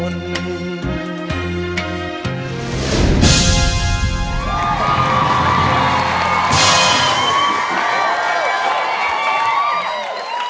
เพียงเม่ศีส